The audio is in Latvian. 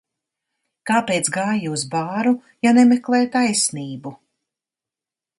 Kāpēc gāji uz bāru, ja nemeklē taisnību?